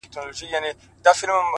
• چي په لاره کي د دوی څنګ ته روان یم,